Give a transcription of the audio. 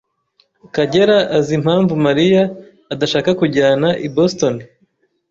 Kagera azi impamvu Mariya adashaka kujyana i Boston?